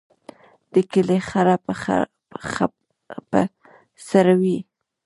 د کلي خره به څروي.